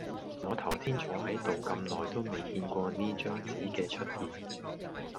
我頭先坐喺度咁耐都未見過呢張紙嘅出現